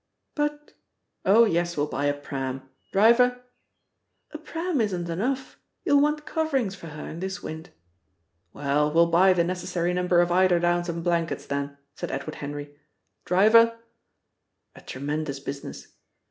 "But " "Oh, yes, we'll buy a pram! Driver " "A pram isn't enough. You'll want coverings for her, in this wind." "Well, we'll buy the necessary number of eiderdowns and blankets, then," said Edward Henry. "Driver " A tremendous business!